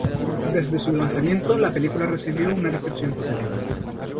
Desde su lanzamiento, la película recibió una recepción positiva.